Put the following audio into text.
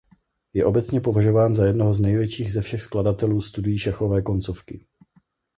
Je obecně považován za jednoho z největších ze všech skladatelů studií šachové koncovky.